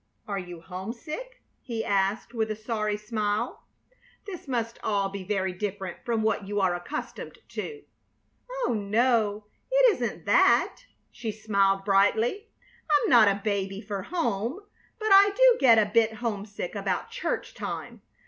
"Are you homesick?" he asked, with a sorry smile. "This must all be very different from what you are accustomed to." "Oh no, it isn't that." She smiled, brightly. "I'm not a baby for home, but I do get a bit homesick about church time.